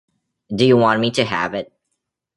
Do you want me to have it?